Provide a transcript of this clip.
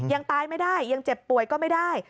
ยังตายไม่ได้ยังเจ็บป่วยก็ไม่ได้